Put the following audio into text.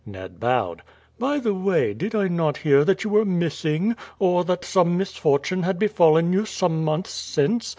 Ned bowed. "By the way, did I not hear that you were missing, or that some misfortune had befallen you some months since?